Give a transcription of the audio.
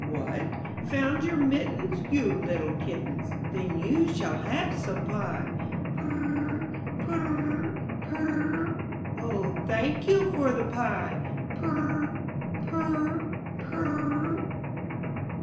"What, found your mittens, You little kittens! Then you shall have some pie.*' *Turr r, purr r, purr r, O, thank you for the pie! Purr r, purr r, purr r.